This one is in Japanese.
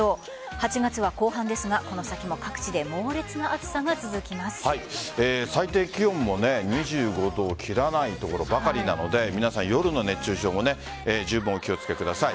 ８月は後半ですがこの先も各地で最低気温も２５度を切らない所ばかりなので皆さん、夜の熱中症もじゅうぶんお気を付けください。